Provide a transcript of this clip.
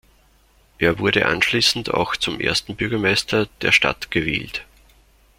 Er wurde anschließend auch zum ersten Bürgermeister der Stadt gewählt.